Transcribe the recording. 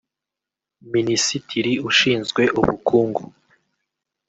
Minisitiri ushinzwe Ubukungu